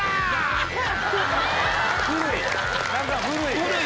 古い！